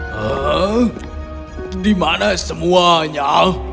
huh dimana semuanya